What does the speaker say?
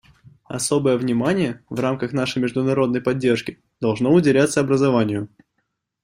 Особое внимание в рамках нашей международной поддержки должно уделяться образованию.